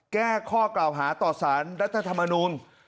แก้ข้อกล่าวหาต่อสารรัฐธรรมนูล